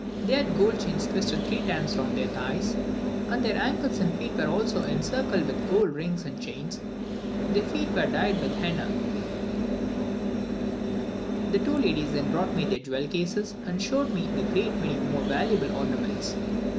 They had gold chains twisted three times round their thighs, and their ankles and feet were also encircled with gold rings and chains; their feet were dyed with henna. The two ladies then brought me their jewel cases, and showed me a great many more valuable ornaments.